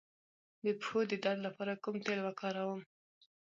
د پښو د درد لپاره کوم تېل وکاروم؟